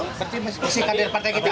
masih kader partai kita